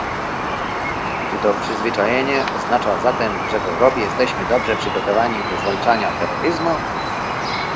Czy to przyzwyczajenie oznacza zatem, że w Europie jesteśmy dobrze przygotowani do zwalczania terroryzmu?